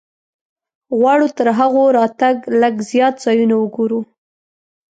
غواړو تر هغوی راتګه لږ زیات ځایونه وګورو.